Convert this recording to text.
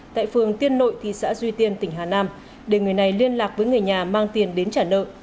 tại phường tiên nội thị xã duy tiên tỉnh hà nam để người này liên lạc với người nhà mang tiền đến trả nợ